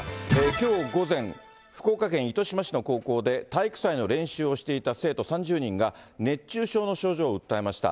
きょう午前、福岡県糸島市の高校で、体育祭の練習をしていた生徒３０人が熱中症の症状を訴えました。